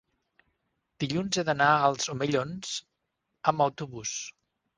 dilluns he d'anar als Omellons amb autobús.